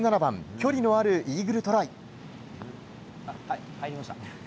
距離のあるイーグルトライ。